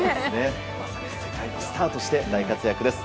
まさに世界のスターとして大活躍です。